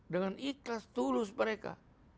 dengan ikhlas tulus mereka